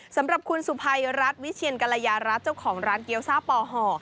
สำหรับคุณสุภัยรัฐวิเชียนกรยารัฐเจ้าของร้านเกี๊ยซ่าปอห่อ